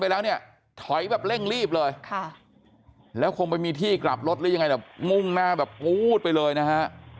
เนี่ยถอยแบบเร่งรีบเลยแล้วคงไปมีที่กลับรถหรือยังไงแบบมุ่งหน้าแบบปู๊ดไปเลยนะฮะ